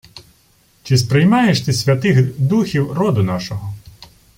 — Чи сприймаєш ти святих духів роду нашого?